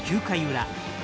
９回裏。